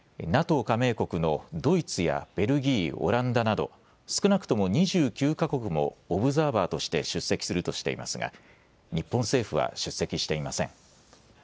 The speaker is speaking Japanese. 加盟国のドイツやベルギー、オランダなど少なくとも２９か国もオブザーバーとして出席するとしていますが日本政府は出席していません。